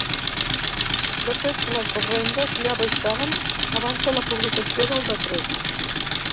De fet, les rendes ja baixaven abans de la publicació del decret.